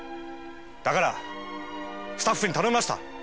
だからスタッフに頼みました。